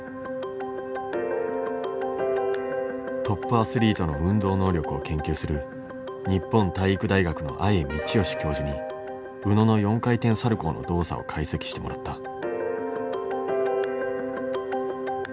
トップアスリートの運動能力を研究する日本体育大学の阿江通良教授に宇野の４回転サルコーの動作を解析してもらった。